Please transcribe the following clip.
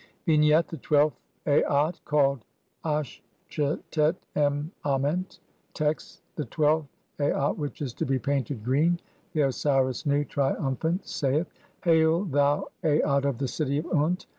XII. Vignette: The twelfth Aat, /''\ called "Astchetet em Ament". Text : (1) The twelfth Aat [which is to be painted] green. The Osiris Nu, triumphant, saith :— (2) "Hail, thou Aat of the city of Unt